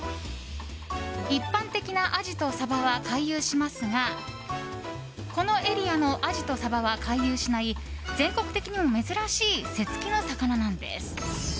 一般的なアジとサバは回遊しますがこのエリアのアジとサバは回遊しない全国的にも珍しい瀬付きの魚なんです。